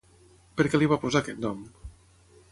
Per què li va posar aquest nom?